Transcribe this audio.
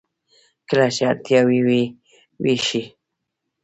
کله چې اړتیا وي و یې ویشي.